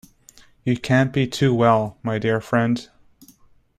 You can't be too well, my dear friend.